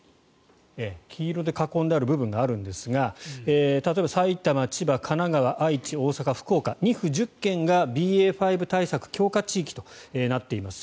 黄色で囲んである部分があるんですが例えば埼玉、千葉、神奈川、愛知大阪、福岡２府１０県がＢＡ．５対策強化地域となっています。